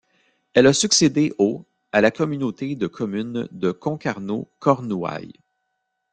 Elle a succédé au à la communauté de communes de Concarneau Cornouaille.